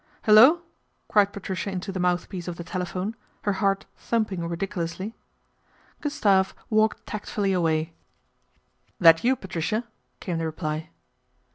" Hullo !" cried Patricia into the mouthpiece of the telephone, her heart thumping ridiculously. Gustave walked tactfully away. 56 PATRICIA BRENT, SPINSTER " That you, Patricia ?" came the reply.